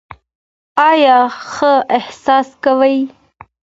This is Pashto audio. ایا ښه احساس کوئ؟